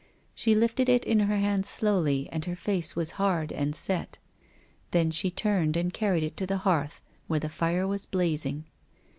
She lifted it in her hands slowly and her face was hard and set. Then she turned and carried it to the hearth, where the fire was blazing.